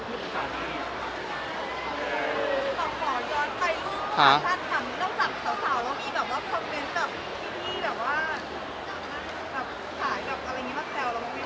คำเม้นส์จากที่เที่ยวอยู่นี่แบบว่าถ่ายแบบอะไรงี้มาแจวเรา